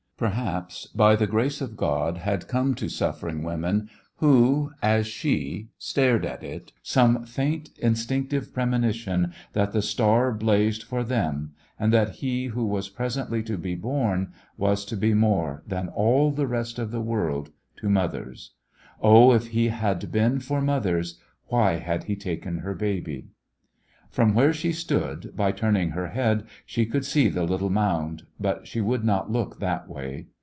Perhaps by the grace of God had come to suffering women who, as she, stared at it, some faint instinc^ tive premonition that the star blazed for them, and that He who was presently to be bom was to be more than all the rest of the world to mothers. Oh, if He had been for mothers, why had He taken her baby? From where she stood, by turning her head, she could see the little moimd, but she would not look that way.